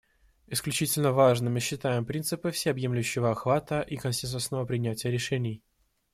Исключительно важными считаем принципы всеобъемлющего охвата и консенсусного принятия решений.